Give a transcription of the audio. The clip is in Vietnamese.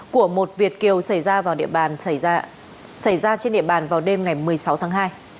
của một việt kiều xảy ra trên địa bàn vào đêm ngày một mươi sáu tháng hai